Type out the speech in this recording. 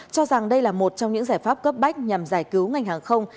cho rằng đây là một trong những giải pháp cấp bách nhằm giải cứu ngành hàng không